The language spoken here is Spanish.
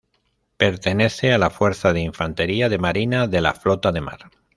Pertenece a la Fuerza de Infantería de Marina de la Flota de Mar.